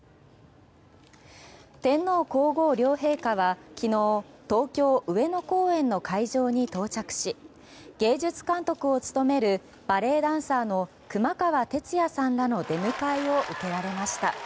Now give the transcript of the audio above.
天皇・皇后両陛下は昨日東京・上野公園の会場に到着し芸術監督を務めるバレエダンサーの熊川哲也さんらの出迎えを受けられました。